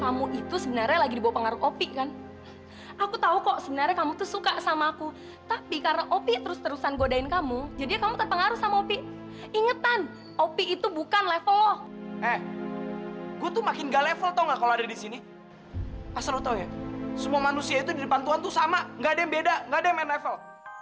asal lo tau ya semua manusia itu di depan tuhan tuh sama gak ada yang beda gak ada yang men level